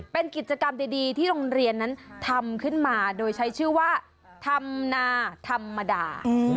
เป็นกิจกรรมดีที่โรงเรียนนั้นทำขึ้นมาโดยใช้ชื่อว่าธรรมนาธรรมดา